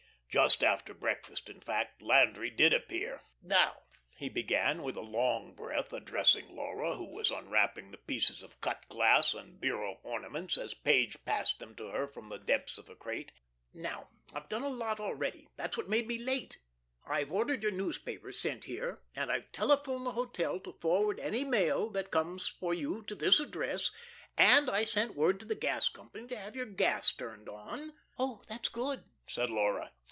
Just after breakfast, in fact, Landry did appear. "Now," he began, with a long breath, addressing Laura, who was unwrapping the pieces of cut glass and bureau ornaments as Page passed them to her from the depths of a crate. "Now, I've done a lot already. That's what made me late. I've ordered your newspaper sent here, and I've telephoned the hotel to forward any mail that comes for you to this address, and I sent word to the gas company to have your gas turned on " "Oh, that's good," said Laura.